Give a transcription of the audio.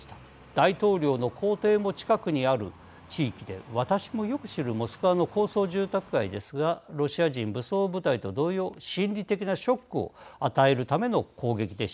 大統領の公邸も近くにある地域で私もよく知るモスクワの高層住宅街ですがロシア人武装部隊と同様心理的なショックを与えるための攻撃でしょう。